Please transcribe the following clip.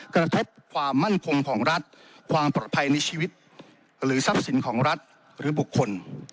กระทบความมั่นคงของรัฐความปลอดภัยในชีวิตหรือทรัพย์สินของรัฐหรือบุคคล